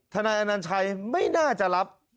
นายอนัญชัยไม่น่าจะรับ